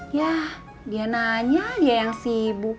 ya dia nanya dia yang sibuk